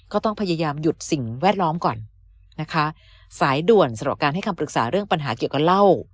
ก็ต้องพยายามหยุดสิ่งแวดล้อมก่อนนะคะสายด่วนสำหรับการให้คำปรึกษาเรื่องปัญหาเกี่ยวกับเหล้า